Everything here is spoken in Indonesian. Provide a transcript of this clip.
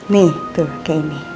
nih tuh kayak ini